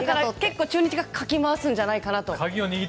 中日がかき回すんじゃないかと。